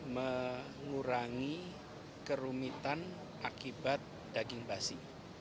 mengurangi kerumitan akibat daging basi